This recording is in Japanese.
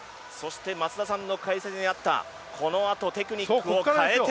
松田さんの解説にあったこのあとテクニックを変えて！